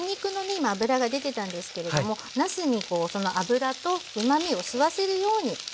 今脂が出てたんですけれどもなすにその脂とうまみを吸わせるように炒めていきますね。